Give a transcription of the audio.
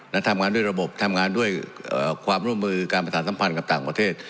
และทำงานด้วยระบบทำงานด้วยความร่วมมือการประชาสัมพันธ์กับต่างประเทศ